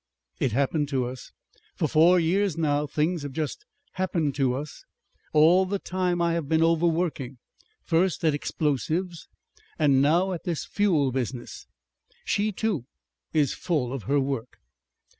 "It happened to us. For four years now things have just happened to us. All the time I have been overworking, first at explosives and now at this fuel business. She too is full of her work.